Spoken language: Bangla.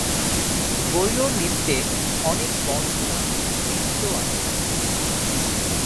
গৌড়ীয় নৃত্যে অনেক বন্দনা নৃত্য আছে।